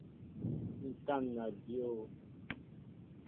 Ŋkana dyǒw.